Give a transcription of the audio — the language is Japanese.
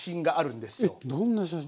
えっどんな写真？